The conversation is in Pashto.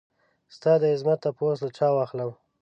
ستا دعظمت تپوس له چا واخلم؟